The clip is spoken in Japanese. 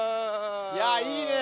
いやいいねえ。